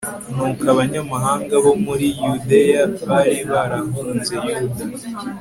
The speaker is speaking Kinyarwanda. nuko abanyamahanga bo muri yudeya bari barahunze yuda